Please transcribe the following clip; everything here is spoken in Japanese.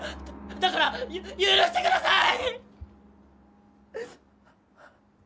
だから許してください！